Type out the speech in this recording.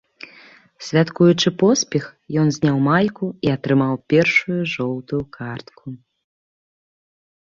Святкуючы поспех, ён зняў майку і атрымаў першую жоўтую картку.